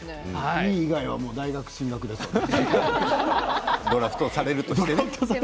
Ｅ以外は大学進学ですね。